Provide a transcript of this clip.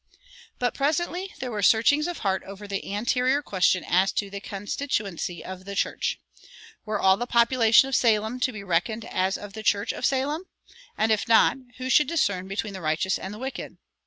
But presently there were searchings of heart over the anterior question as to the constituency of the church. Were all the population of Salem to be reckoned as of the church of Salem? and if not, who should "discern between the righteous and the wicked"?